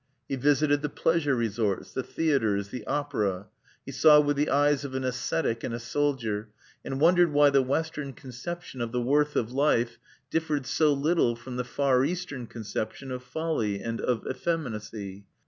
He visited the pleasure resorts, the theatres, the opera; he saw with the eyes of an ascetic and a soldier, and wondered why the Western conception of the worth of life differed so little from the Far Eastern conception of folly and of effeminacy.